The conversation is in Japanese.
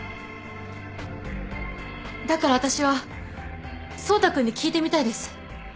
だから私は走太君に聞いてみたいです。